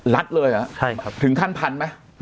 รัดเลยหรอถึงขั้นพันธุ์ไหม